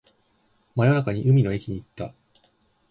真夜中に海の駅に行った